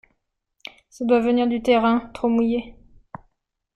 Ça doit venir du terrain, trop mouillé.